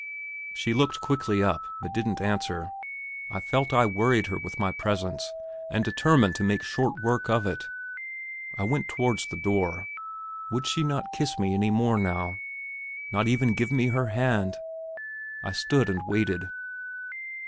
She looked quickly up, but didn't answer. I felt I worried her with my presence, and determined to make short work of it. I went towards the door. Would she not kiss me any more now? not even give me her hand? I stood and waited.